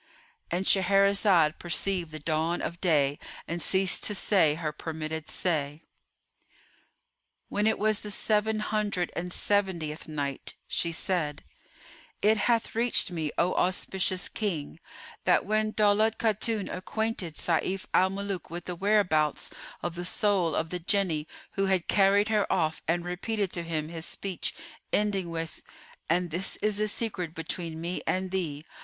'"——And Shahrazad perceived the dawn of day and ceased to say her permitted say. When it was the Seven Hundred and Seventieth Night, She said, It hath reached me, O auspicious King, that when Daulat Khatun acquainted Sayf al Muluk with the whereabouts of the soul of the Jinni who had carried her off and repeated to him his speech ending with, "And this is a secret between me and thee!"